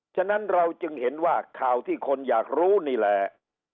ฉะนั้นเราจึงเห็นว่าข่าวที่คนอยากรู้นี่แหละ